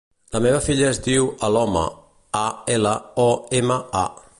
La meva filla es diu Aloma: a, ela, o, ema, a.